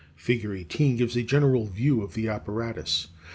Fig. 18 gives a general view of the apparatus.